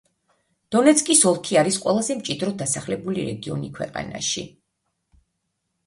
დონეცკის ოლქი არის ყველაზე მჭიდროდ დასახლებული რეგიონი ქვეყანაში.